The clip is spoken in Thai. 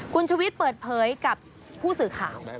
คุณชวิตเปิดเผยกับผู้สื่อข่าว